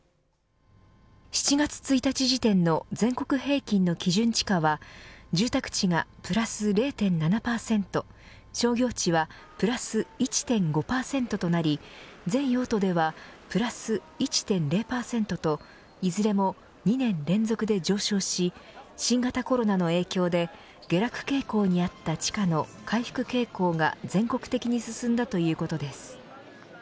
７月１日時点の全国平均の基準地価は住宅地がプラス０．７％商業地はプラス１．５％となり全用途ではプラス１．０％といずれも２年連続で上昇し新型コロナの影響で下落傾向にあった地価の回復傾向が全国的に進んだということです。